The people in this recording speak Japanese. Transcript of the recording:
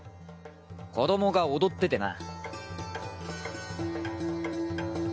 子どもが踊っててな。